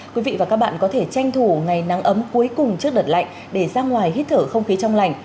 quý vị và các bạn có thể tranh thủ ngày nắng ấm cuối cùng trước đợt lạnh để ra ngoài hít thở không khí trong lành